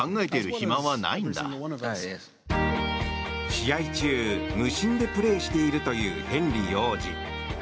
試合中、無心でプレーしているというヘンリー王子。